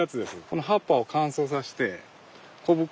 この葉っぱを乾燥させて小袋